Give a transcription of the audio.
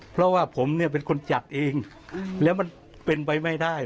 เพราะว่าผมเนี่ยเป็นคนจัดเองแล้วมันเป็นไปไม่ได้